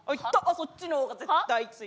そっちの方が絶対強い。